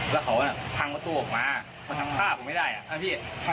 แล้วเขาพังประตูออกมาเขาถักฝ้าผมไม่ได้อะ